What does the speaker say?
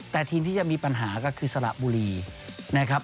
แต่ทีมที่จะมีปัญหาก็คือสระบุรีนะครับ